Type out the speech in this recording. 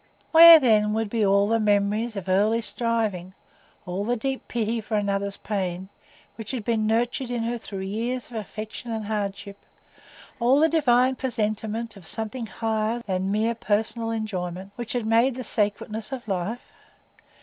Where, then, would be all the memories of early striving; all the deep pity for another's pain, which had been nurtured in her through years of affection and hardship; all the divine presentiment of something higher than mere personal enjoyment, which had made the sacredness of life?